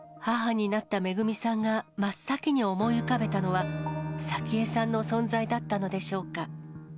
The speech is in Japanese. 母になっためぐみさんが真っ先に思い浮かべたのは、早紀江さんの存在だったのでしょうか。